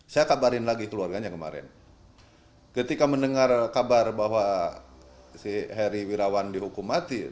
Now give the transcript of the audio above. saya kabarin lagi keluarganya kemarin ketika mendengar kabar bahwa si heri wirawan dihukum mati